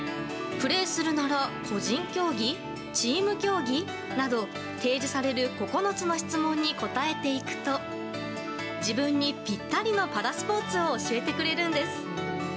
プレーするなら個人競技？チーム競技？など提示される９つの質問に答えていくと自分にぴったりのパラスポーツを教えてくれるんです。